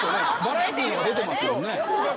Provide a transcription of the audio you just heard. バラエティーにも出てますもんね。